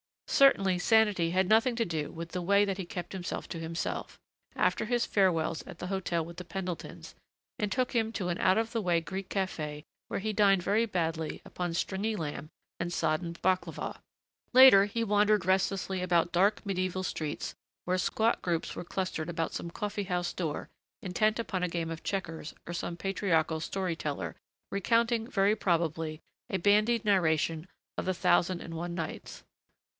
Certainly sanity had nothing to do with the way that he kept himself to himself, after his farewells at the hotel with the Pendletons, and took him to an out of the way Greek café where he dined very badly upon stringy lamb and sodden baklava. Later he wandered restlessly about dark, medieval streets where squat groups were clustered about some coffee house door, intent upon a game of checkers or some patriarchal story teller, recounting, very probably, a bandied narration of the Thousand and One Nights.